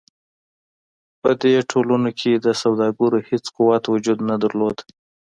په دې ټولنو کې د سوداګرو هېڅ قوت وجود نه درلود.